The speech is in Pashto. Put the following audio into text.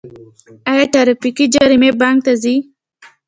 آیا ټرافیکي جریمې بانک ته ځي؟